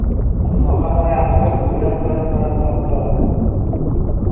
Онуоха анарааҥҥыта кыыран көрөн баран, тохтообут